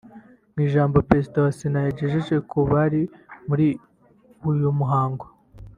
Mu ijambo Perezida wa Sena yagejeje ku bari muri uyu muhango